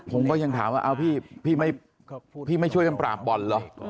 ผมก็ยังถามว่าพี่ไม่ช่วยกันปราบบ่อนเหรอ